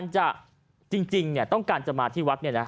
จริงต้องการจะมาที่วัฒน์